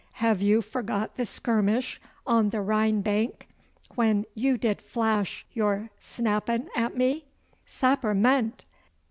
Have you forgot the skirmish on the Rhine bank, when you did flash your snapphahn at me? Sapperment!